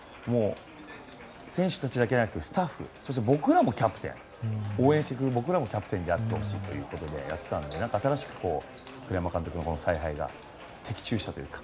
選手たちだけじゃなくてスタッフ応援してくれる僕らもキャプテンであってほしいとやっていたので栗山監督の采配が的中したというか。